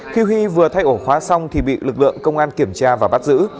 khi huy vừa thay ổ khóa xong thì bị lực lượng công an kiểm tra và bắt giữ